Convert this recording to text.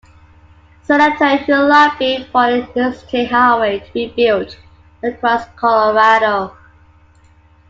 Senator who lobbied for an Interstate Highway to be built across Colorado.